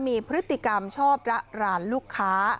มีพฤติกรรมชอบระรานลูกค้า